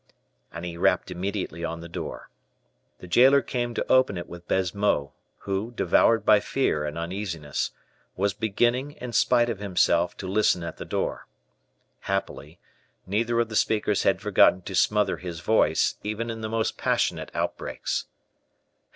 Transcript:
And he rapped immediately on the door. The jailer came to open it with Baisemeaux, who, devoured by fear and uneasiness, was beginning, in spite of himself, to listen at the door. Happily, neither of the speakers had forgotten to smother his voice, even in the most passionate outbreaks.